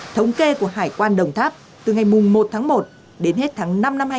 thống kê của hải quan đồng tháp từ ngày một một đến hết tháng năm hai nghìn hai mươi hai